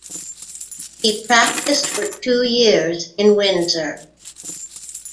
He practised for two years in Windsor.